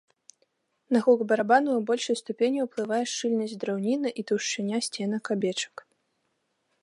На гук барабана ў большай ступені ўплывае шчыльнасць драўніны і таўшчыня сценак абечак.